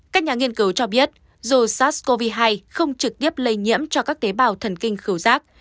các nhà nghiên cứu cho biết dù sars cov hai không trực tiếp lây nhiễm cho các tế bào thần kinh khử rác